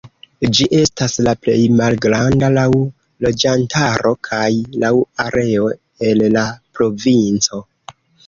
Ĝi estas la plej malgranda laŭ loĝantaro kaj laŭ areo el la provinco.